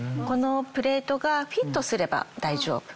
このプレートがフィットすれば大丈夫。